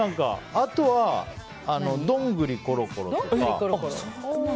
あとは「どんぐりころころ」とか。